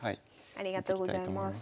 ありがとうございます。